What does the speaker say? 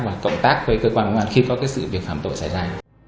và cộng tác với cơ quan công an khi có sự việc phạm tội xảy ra